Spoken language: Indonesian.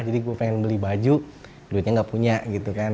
jadi gue pengen beli baju duitnya gak punya gitu kan